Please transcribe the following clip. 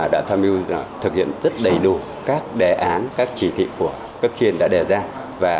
đã thamiu thực hiện rất đầy đủ các đề án các chỉ thị của cấp chuyên đã đề ra